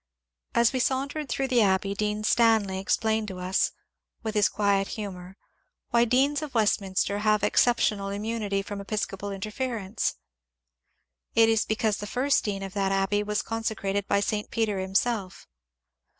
As we sauntered through the Abbey Dean Stanley ex plained to us, with his quiet humour, why deans of Westmin ster have exceptional immunity from episcopal interference. BISHOP COLENSO 327 It is because the first dean of that Abbey was consecrated by St. Peter himself.